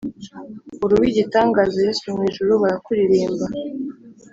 Uruwigitangaza yesu mwijuru barakuririmba